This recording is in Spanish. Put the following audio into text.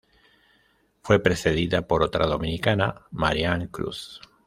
Fue precedida por otra dominicana Marianne Cruz.